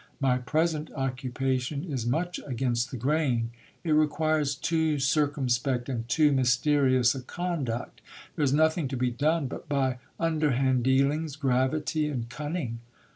My present occupation is much against the grain; it requires too circumspect and too mys erious a conduct ; there is nothing to be done but by underhand dealings, gravity, and cunning.